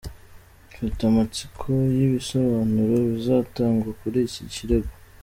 Mfite amatsiko y’ibisobanuro bizatangwa kuri iki kirego.